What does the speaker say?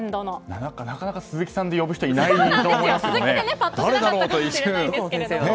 なかなか鈴木さんで呼ぶ人いないと思いますね。